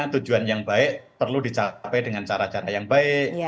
tujuan yang baik perlu dicapai dengan cara cara yang baik